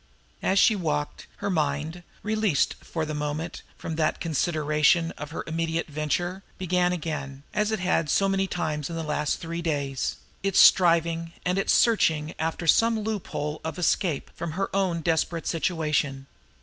And as she walked, her mind, released for the moment from the consideration of her immediate venture, began again, as it had so many times in the last three days, its striving and its searching after some loophole of escape from her own desperate situation.